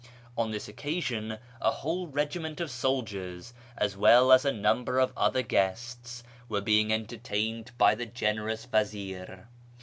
On this occasion a whole regiment of soldiers, as well as a number of other guests, were being entertained by the generous vazir.